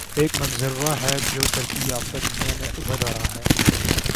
ایک منظروہ ہے جو ترقی یافتہ دنیا میں ابھر رہا ہے۔